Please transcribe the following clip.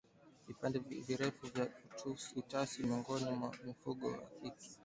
Vipindi virefu vya utasa miongoni mwa mifugo wa kike